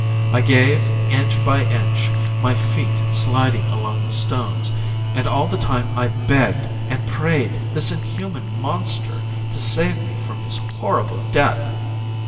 I gave inch by inch, my feet sliding along the stones, and all the time I begged and prayed this inhuman monster to save me from this horrible death.